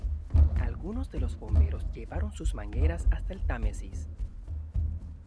Algunos de los bomberos llevaron sus mangueras hasta el Támesis.